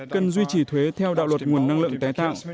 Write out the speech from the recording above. cần duy trì thuế theo đạo luật nguồn năng lượng tái tạo